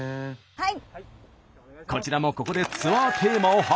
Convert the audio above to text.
はい！